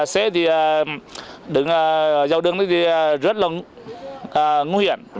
xe thì đứng dầu đường rất là nguy hiểm